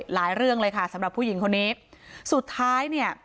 เรื่องเลยค่ะสำหรับผู้หญิงคนนี้สุดท้ายเนี่ย